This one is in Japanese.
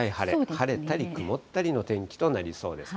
晴れたり曇ったりの天気となりそうです。